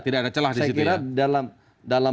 tidak ada celah di situ saya kira dalam